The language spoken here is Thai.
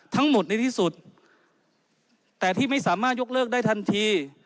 ทั้งหมดในที่สุดแต่ที่ไม่สามารถยกเลิกได้ทันที